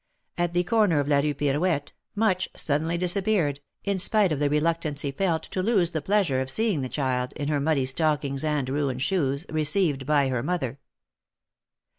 At the corner of la Rue Pirouette, Much suddenly disappeared, in spite of the reluctance he felt to lose the pleasure of seeing the child, in her muddy stockings and ruined shoes, received by her mother.